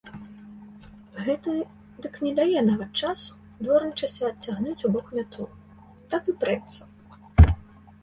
Гэты дык не дае нават часу дворнічысе адцягнуць убок мятлу, так і прэцца.